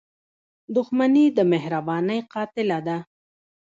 • دښمني د مهربانۍ قاتله ده.